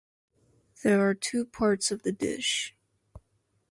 There are two parts of the dish.